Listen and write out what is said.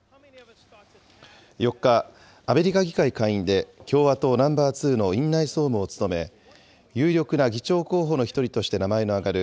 ４日、アメリカ議会下院で共和党ナンバーツーの院内総務を務め、有力な議長候補の１人として名前の挙がる